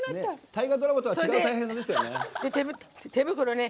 大河ドラマとは違う大変さですよね。